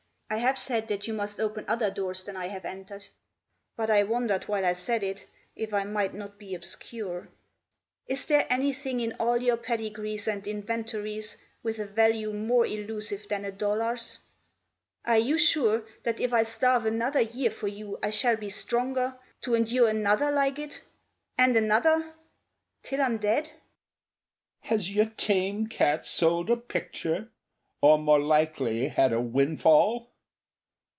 I have said that you must open other doors than I have entered, But I wondered while I said it if I might not be obscure. Is there anything in all your pedigrees and inventories With a value more elusive than a dollar's? Are you sure That if I starve another year for you I shall be stronger To endure another like it and another till I'm dead?" "Has your tame cat sold a picture? or more likely had a windfall?